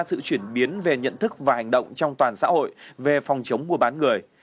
sự chuyển biến về nhận thức và hành động trong toàn xã hội về phòng chống mua bán người